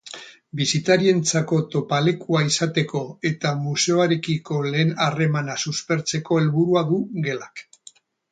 Bisitarientzako topalekua izateko eta museoarekiko lehen harremana suspertzeko helburua du gelak.